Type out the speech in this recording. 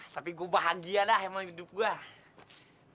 tapi gue bahagia lah emang hidup gue